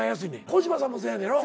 小芝さんもそうやねんろ。